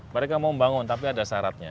mereka mau membangun tapi ada syaratnya